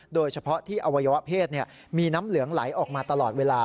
โดยเฉพาะที่อวัยวะเพศมีน้ำเหลืองไหลออกมาตลอดเวลา